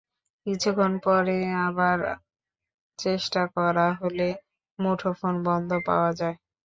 কিছুক্ষণ পরে আবার আবার চেষ্টা করা হলে মুঠোফোন বন্ধ পাওয়া যায়।